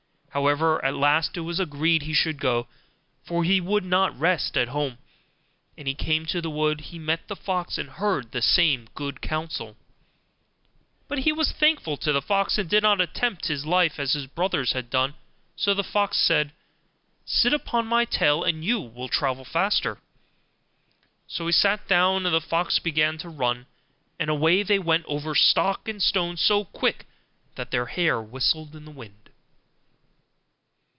However, at last it was agreed he should go, for he would not rest at home; and as he came to the wood, he met the fox, and heard the same good counsel. But he was thankful to the fox, and did not attempt his life as his brothers had done; so the fox said, 'Sit upon my tail, and you will travel faster.' So he sat down, and the fox began to run, and away they went over stock and stone so quick that their hair whistled in the wind.